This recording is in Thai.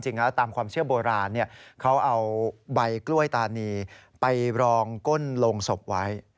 จริงแล้วตามความเชื่อโบราณเขาเอาใบกล้วยตานีไปรองก้นโรงศพไว้